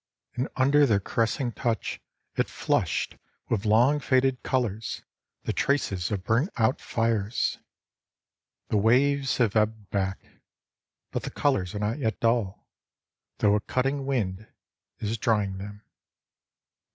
. and under their caressing touch it flushed with long faded colours, the traces of burnt out fires ! The waves have ebbed back ... but the colours are not yet dull, though a cutting wind is drying them.